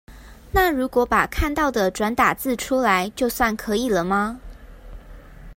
那如果把看到的轉打字出來，就算可以了嗎？